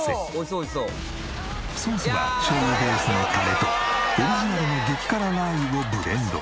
ソースは醤油ベースのタレとオリジナルの激辛ラー油をブレンド。